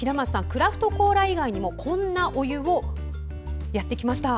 クラフトコーラ以外にもこんなお湯をやってきました。